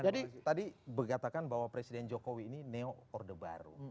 jadi tadi berkatakan bahwa presiden jokowi ini neo orde baru